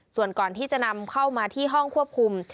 ส่วนก่อนที่จะนำเข้ามาที่ห้องควบคุม